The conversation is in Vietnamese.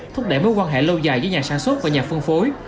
thúc đẩy mối quan hệ lâu dài giữa nhà sản xuất và nhà phân phối